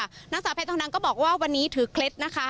นักศึกษาแพทย์ทางดังก็บอกว่าวันนี้ถือเคล็ดนะคะ